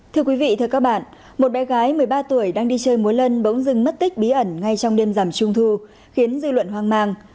thưa quý vị thưa các bạn một bé gái một mươi ba tuổi đang đi chơi múa lân bỗng dưng mất tích bí ẩn ngay trong đêm giảm trung thu khiến dư luận hoang mang